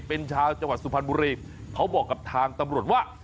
เป็นชาวจังหวัดสุพรรณบุรีเขาบอกกับทางตำรวจว่า